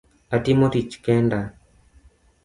Atimo tich kenda